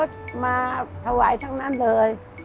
ก็มาถวายทั้งนั้นเลย